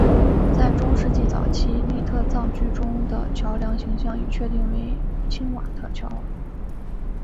在中世纪早期粟特葬具中的桥梁形象已确定为钦瓦特桥。